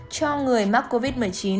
cho người mắc covid một mươi chín